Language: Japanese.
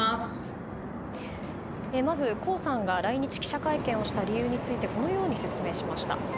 まず、江さんが来日記者会見をした理由についてこのように説明しました。